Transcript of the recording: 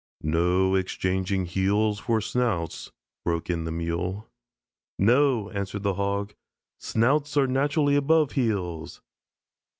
"No exchanging heels for snouts," broke in the Mule. "No," answered the Hog; "snouts are naturally above heels."